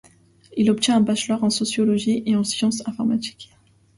Il obtient un bachelor en sociologie et en sciences informatiques.